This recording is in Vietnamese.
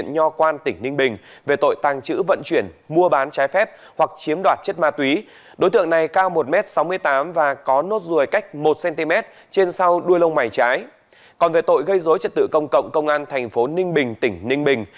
còn về tội gây dối trật tự công cộng công an tp ninh bình tỉnh ninh bình